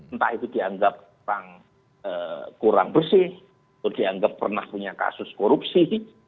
entah itu dianggap kurang bersih atau dianggap pernah punya kasus korupsi